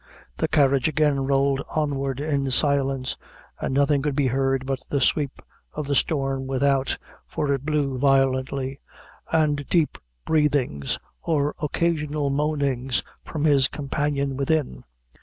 The carriage again rolled onward in silence, and nothing could be heard but the sweep of the storm without for it blew violently and deep breathings, or occasional moanings, from his companion within.